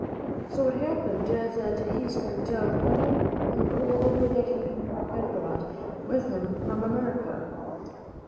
So it happened that he spent all the gold and silver that he had brought with him from America.